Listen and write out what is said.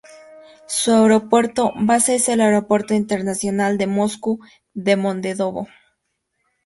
Su aeropuerto base es el Aeropuerto Internacional de Moscu-Domodedovo.